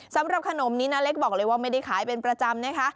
สำหรับขนมนี้นาเล็กบอกเลยว่าไม่ได้ขายเป็นประจำนะคะ